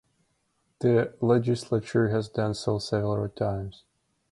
The legislature has done so several times.